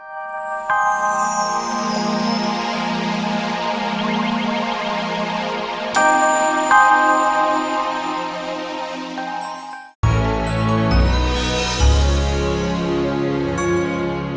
kamu mau ngapain zamir ini dan sampe ikut aku diturunkan